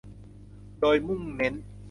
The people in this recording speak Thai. โดยมุ่งเน้น